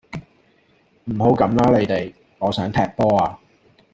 唔好咁啦你哋，我想踢波呀